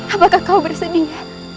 apakah kau bersedia